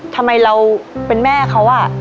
ทำไมเราเป็นแม่เขา